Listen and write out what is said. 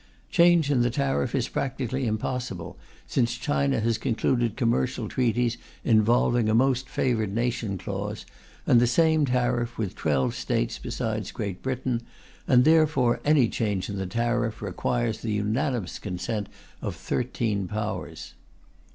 Change in the tariff is practically impossible, since China has concluded commercial treaties involving a most favoured nation clause, and the same tariff, with twelve States besides Great Britain, and therefore any change in the tariff requires the unanimous consent of thirteen Powers.